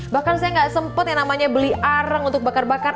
bahkan saya nggak sempat yang namanya beli arang untuk bakar bakar